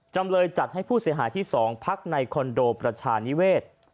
จำเลยจัดให้ผู้เสียหายที่๒พักในคอนโดประชานิเวศ